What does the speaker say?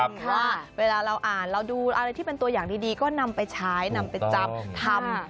เพราะว่าเวลาเราอ่านเราดูอะไรที่เป็นตัวอย่างดีก็นำไปใช้นำไปจำทำ